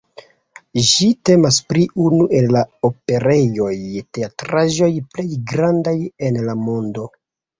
Ĝi temas pri unu el la operejoj-teatrejoj plej grandaj en la mondo.